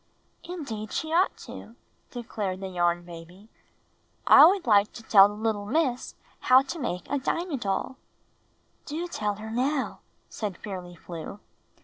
''Indeed she ought to," declared the Yarn Baby. "I would hke to tell the httle Miss how to make a Dinah DoU." ''Do tell her now," said Fairly Flew.